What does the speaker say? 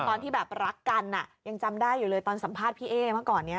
ตอนที่แบบรักกันยังจำได้อยู่เลยตอนสัมภาษณ์พี่เอ๊เมื่อก่อนนี้